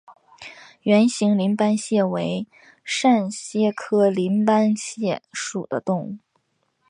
圆形鳞斑蟹为扇蟹科鳞斑蟹属的动物。